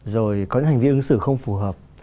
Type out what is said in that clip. rồi có những hành vi ứng xử không phù hợp